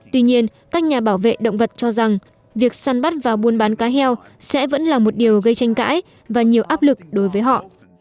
tuy nhiên các nhà bảo vệ động vật cho rằng việc săn bắt và buôn bán cá heo sẽ vẫn là một điều gây tranh cãi và nhiều áp lực đối với họ